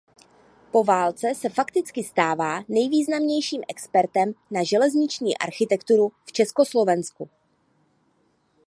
Po válce se fakticky stává nejvýznamnějším expertem na železniční architekturu v Československu.